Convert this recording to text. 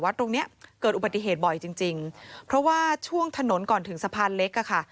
ตรงเนี้ยเกิดอุบัติเหตุบ่อยจริงจริงเพราะว่าช่วงถนนก่อนถึงสะพานเล็กอ่ะค่ะ